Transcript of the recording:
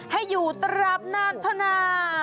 ให้อยู่ตราบนานธนา